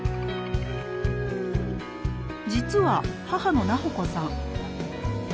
実は母の菜穂子さん